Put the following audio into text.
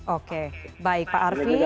oke baik pak arfi